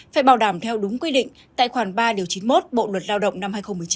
phải bảo đảm theo đúng quy định tại khoản ba chín mươi một bộ luật lao động năm hai nghìn một mươi chín